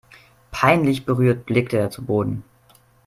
Peinlich berührt blickte er zu Boden.